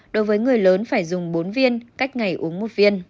đối với người lớn phải dùng bốn viên cách ngày uống một viên